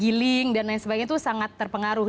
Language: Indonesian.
giling dan lain sebagainya itu sangat terpengaruh